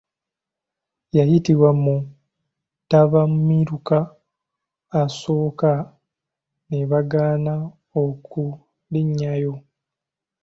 Yayitibwa mu ttabamiruka asooka ne bagaana okulinnyayo.